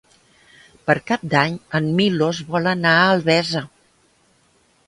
Per Cap d'Any en Milos vol anar a Albesa.